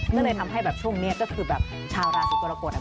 มันจะทำให้แบบช่วงนี้ก็คือชาวด่าสุขกลโกรธครับ